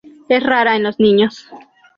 Es rara en los niños.